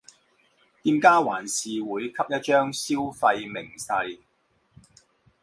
店家還是會給一張消費明細